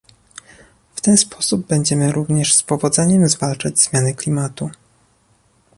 W ten sposób będziemy również z powodzeniem zwalczać zmiany klimatu